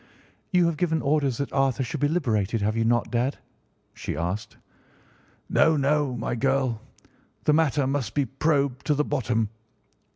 "You have given orders that Arthur should be liberated, have you not, dad?" she asked. "No, no, my girl, the matter must be probed to the bottom."